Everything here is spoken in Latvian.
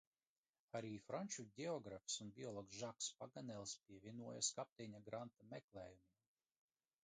Arī franču ģeogrāfs un biologs Žaks Paganels pievienojas kapteiņa Granta meklējumiem.